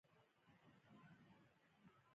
• دښمني د خدای د رضا خلاف ده.